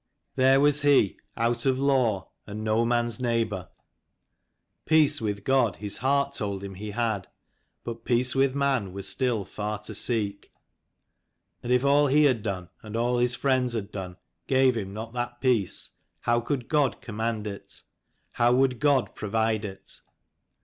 There was he, out of law and no man's neighbour. Peace with God his heart told him he had ; but peace with man was still far to seek : and if all he had done, and all his friends had done, gave him not that peace, how could God command it ? how would God provide it